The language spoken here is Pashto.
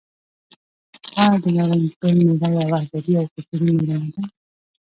آیا د نارنج ګل میله یوه ادبي او کلتوري میله نه ده؟